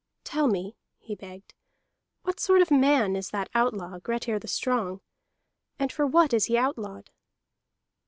"Tell me," he begged, "what sort of man is that outlaw Grettir the Strong, and for what is he outlawed?"